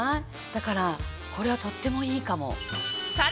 だからこれはとってもいいかも。